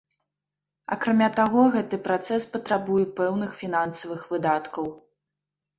Акрамя таго, гэты працэс патрабуе пэўных фінансавых выдаткаў.